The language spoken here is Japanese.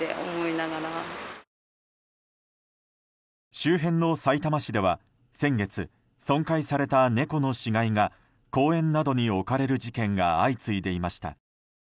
周辺のさいたま市では先月、損壊された猫の死骸が公園などに置かれる事件が相次いでいました。